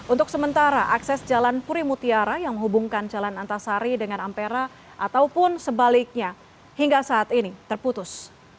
untuk sementara akses jalan puri mutiara yang menghubungkan jalan antasari dengan ampera ataupun sebaliknya hingga saat ini terputus